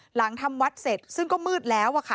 หลังทำวัดเสร็จซึ่งก็มืดแล้วอะค่ะ